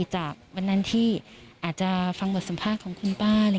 จากวันนั้นที่อาจจะฟังบทสัมภาษณ์ของคุณป้า